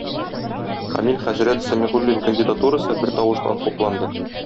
Камил хәзрәт Сәмигуллин кандидатурасы бертавыштан хупланды.